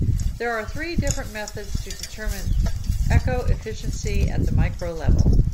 There are three different methods to determine eco-efficiency at the micro-level.